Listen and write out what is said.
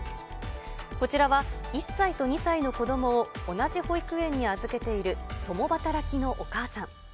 こちらは、１歳と２歳の子どもを、同じ保育園に預けている共働きのお母さん。